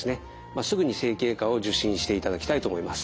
すぐに整形外科を受診していただきたいと思います。